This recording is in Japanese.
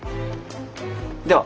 では。